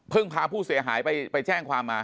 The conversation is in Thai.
พาผู้เสียหายไปแจ้งความมา